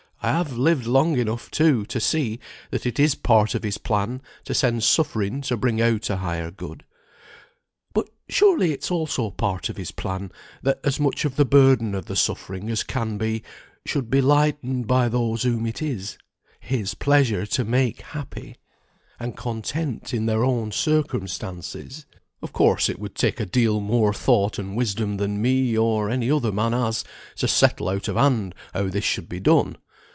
I have lived long enough, too, to see that it is part of His plan to send suffering to bring out a higher good; but surely it's also part of His plan that as much of the burden of the suffering as can be, should be lightened by those whom it is His pleasure to make happy, and content in their own circumstances. Of course it would take a deal more thought and wisdom than me, or any other man has, to settle out of hand how this should be done.